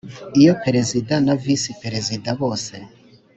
Iyo Perezida na Visi Perezida bose